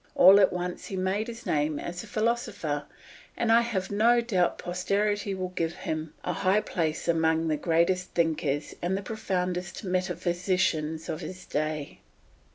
All at once he made his name as a philosopher, and I have no doubt posterity will give him a high place among the greatest thinkers and the profoundest metaphysicians of his day.